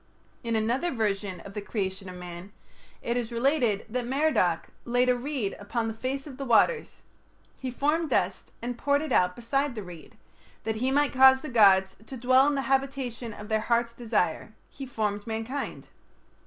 In another version of the creation of man, it is related that Merodach "laid a reed upon the face of the waters; he formed dust, and poured it out beside the reed.... That he might cause the gods to dwell in the habitation of their heart's desire, he formed mankind."